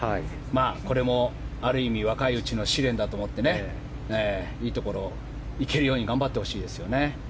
これも、ある意味若いうちの試練だと思っていいところにいけるように頑張ってほしいですね。